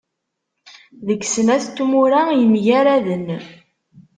Deg snat n tmura yemgaraden.